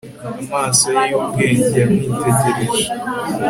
Amaso ye yubwenge yamwitegereje